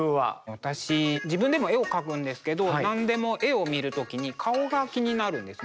私自分でも絵を描くんですけど何でも絵を見る時に顔が気になるんですね。